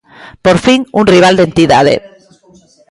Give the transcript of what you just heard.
Por fin un rival de entidade.